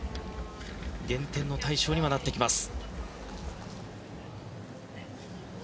減点の対象にはなってきます。